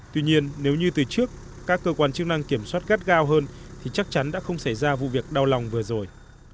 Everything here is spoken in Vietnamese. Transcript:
tuy nhiên nếu như từ trước các cơ quan chức năng kiểm soát gắt gao hơn thì chắc chắn đã không xảy ra vụ việc đau lòng vừa rồi